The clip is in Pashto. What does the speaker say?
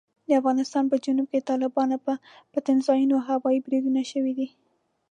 د افغانستان په جنوب کې د طالبانو پر پټنځایونو هوايي بریدونه شوي دي.